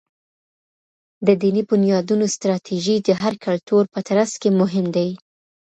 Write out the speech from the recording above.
د دینی بنیادونو ستراتیژۍ د هر کلتور په ترڅ کي مهمي دي.